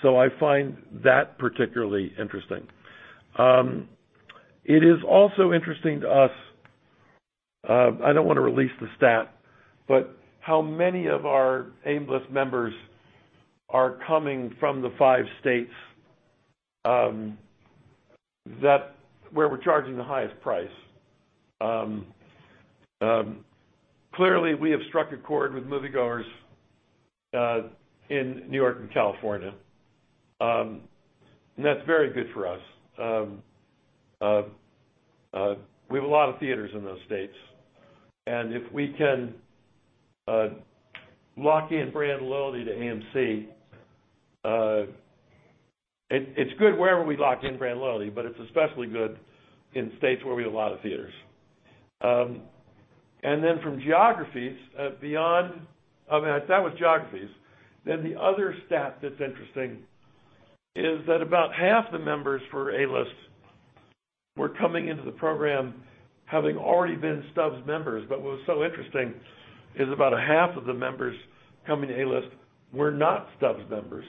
I find that particularly interesting. It is also interesting to us. I don't want to release the stat, but how many of our A-List members are coming from the five states where we're charging the highest price? Clearly, we have struck a chord with moviegoers in New York and California. That's very good for us. We have a lot of theaters in those states, and if we can lock in brand loyalty to AMC, it's good wherever we lock in brand loyalty, but it's especially good in states where we have a lot of theaters. That was geographies. Then the other stat that's interesting is that about half the members for A-List were coming into the program having already been Stubs members. What was so interesting is about half of the members coming to A-List were not Stubs members.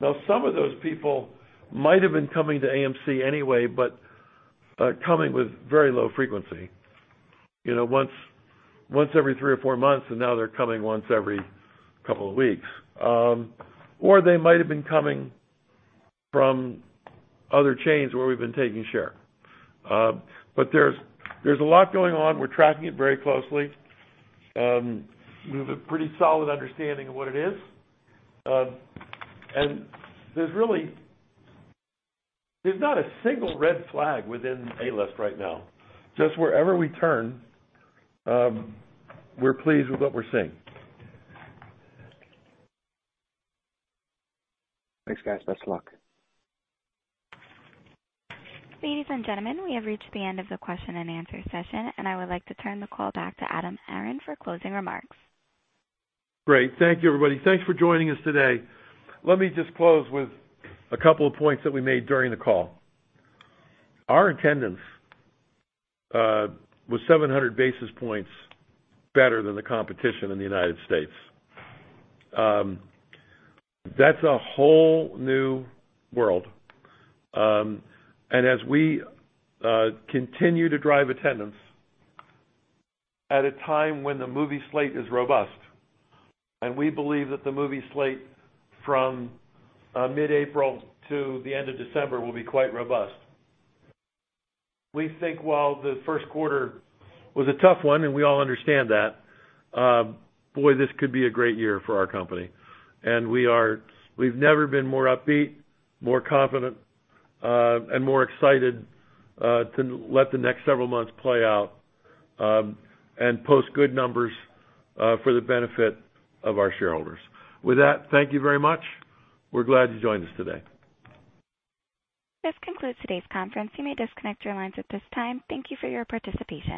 Some of those people might have been coming to AMC anyway, but coming with very low frequency. Once every three or four months, and now they're coming once every couple of weeks. They might have been coming from other chains where we've been taking share. There's a lot going on. We're tracking it very closely. We have a pretty solid understanding of what it is. There's not a single red flag within A-List right now. Just wherever we turn, we're pleased with what we're seeing. Thanks, guys. Best of luck. Ladies and gentlemen, we have reached the end of the question and answer session. I would like to turn the call back to Adam Aron for closing remarks. Great. Thank you, everybody. Thanks for joining us today. Let me just close with a couple of points that we made during the call. Our attendance was 700 basis points better than the competition in the U.S. That's a whole new world. As we continue to drive attendance at a time when the movie slate is robust, we believe that the movie slate from mid-April to the end of December will be quite robust. We think while the first quarter was a tough one, we all understand that, boy, this could be a great year for our company. We've never been more upbeat, more confident, and more excited to let the next several months play out, and post good numbers for the benefit of our shareholders. With that, thank you very much. We're glad you joined us today. This concludes today's conference. You may disconnect your lines at this time. Thank you for your participation.